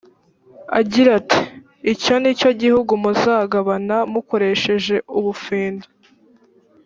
agira ati «icyo ni cyo gihugu muzagabana mukoresheje ubufindo.